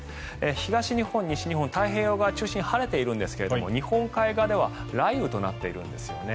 東日本、西日本太平洋側を中心に晴れているんですけれど日本海側では雷雨となっているんですね。